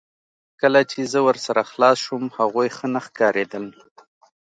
کله چې زه ورسره خلاص شوم هغوی ښه نه ښکاریدل